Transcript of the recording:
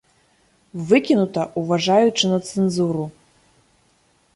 Выкінута, уважаючы на цэнзуру.